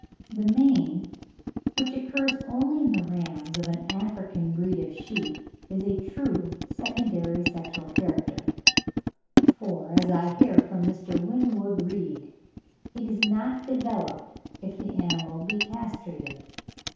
The mane, which occurs only in the rams of an African breed of sheep, is a true secondary sexual character, for, as I hear from Mr. Winwood Reade, it is not developed if the animal be castrated.